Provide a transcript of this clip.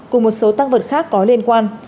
cùng một số tăng vật khác có liên quan